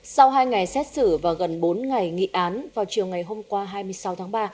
sau hai ngày xét xử và gần bốn ngày nghị án vào chiều ngày hôm qua hai mươi sáu tháng ba